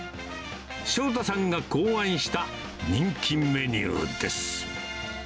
翔太さんが考案した、人気メニューです。